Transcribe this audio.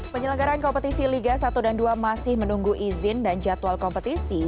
penyelenggaran kompetisi liga satu dan dua masih menunggu izin dan jadwal kompetisi